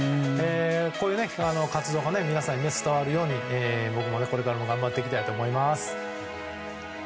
こういう活動が皆さんに伝わるように僕もこれからも頑張っていきたいと思います。